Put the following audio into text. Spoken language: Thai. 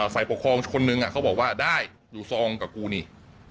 ฝ่ายปกครองคนนึงเขาบอกว่าได้อยู่ซองกับกูนี่